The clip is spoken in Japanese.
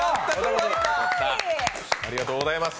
ありがとうございます。